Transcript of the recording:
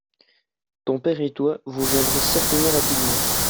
Ton père et toi, vous viendrez certainement rapidement.